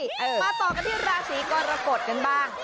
มาต่อกันที่ราศีกรกฎกันบ้าง